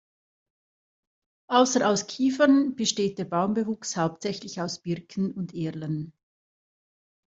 Außer aus Kiefern besteht der Baumbewuchs hauptsächlich aus Birken und Erlen.